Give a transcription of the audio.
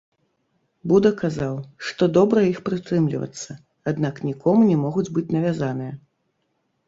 Буда казаў, што добра іх прытрымлівацца, аднак нікому не могуць быць навязаныя.